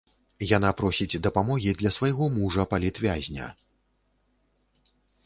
Яна просіць дапамогі для свайго мужа-палітвязня.